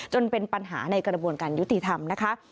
จนเป็นปัญหาในกระบวนการยุติธรรมนะคะ